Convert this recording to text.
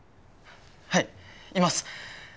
はいいます！